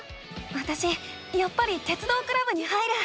わたしやっぱり鉄道クラブに入る。